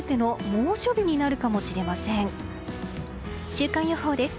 週間予報です。